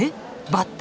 バッタ！？